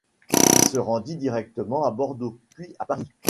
Il se rendit directement à Bordeaux puis à Paris.